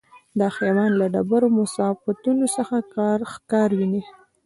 دا حیوان له ډېرو مسافتونو څخه ښکار ویني.